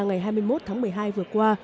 ngày hai mươi một tháng một mươi hai vừa qua